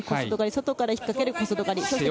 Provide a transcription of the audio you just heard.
外から引っ掛ける小外刈り。